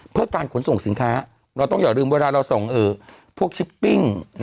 เพื่อการขนส่งสินค้าเราต้องอย่าลืมเวลาเราส่งพวกชิปปิ้ง